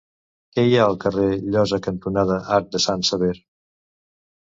Què hi ha al carrer Llosa cantonada Arc de Sant Sever?